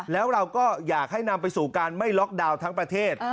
แล้วเราก็อยากให้นำไปสู่การไม่ล็อกดาวน์ทั้งประเทศ